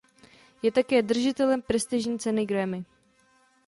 Je také držitelem prestižní ceny Grammy.